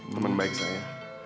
teman baik saya